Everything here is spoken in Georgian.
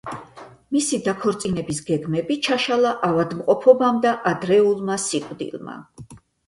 მისი დაქორწინების გეგმები ჩაშალა ავადმყოფობამ და ადრეულმა სიკვდილმა.